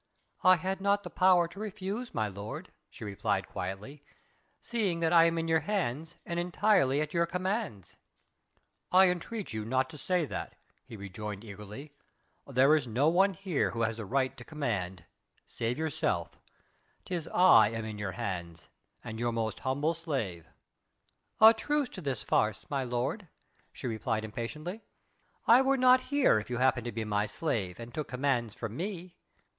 "I had not the power to refuse, my lord," she replied quietly, "seeing that I am in your hands and entirely at your commands." "I entreat you do not say that," he rejoined eagerly, "there is no one here who has the right to command save yourself. 'Tis I am in your hands and your most humble slave." "A truce to this farce, my lord," she retorted impatiently. "I were not here if you happened to be my slave, and took commands from me."